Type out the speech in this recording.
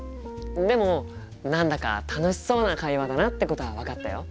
でも何だか楽しそうな会話だなってことは分かったよ。